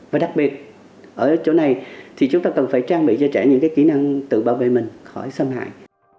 và đặc biệt ở chỗ này thì chúng ta cần phải trang bị cho trẻ những kỹ năng tự bảo vệ mình khỏi xâm hại